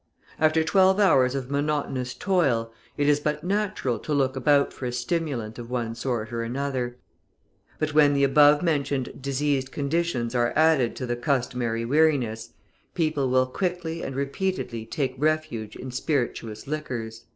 After twelve hours of monotonous toil, it is but natural to look about for a stimulant of one sort or another; but when the above mentioned diseased conditions are added to the customary weariness, people will quickly and repeatedly take refuge in spirituous liquors."